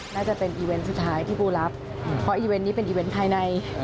น่าจะเป็นอีเวนต์สุดท้ายที่ปูรับเพราะอีเวนต์นี้เป็นอีเวนต์ภายใน